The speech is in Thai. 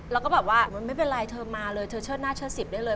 แล้วก็แบบว่ามันไม่เป็นไรเธอมาเลยเธอเชิดหน้าเชิด๑๐ได้เลย